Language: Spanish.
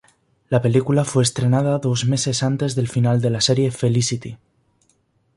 La película fue estrenada dos meses antes del final de la serie "Felicity".